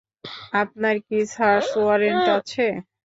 আপনার কি search warrant আছে?